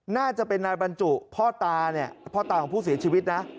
น่าจะเป็นนายบรรจุพ่อตาของผู้เสียชีวิตนะ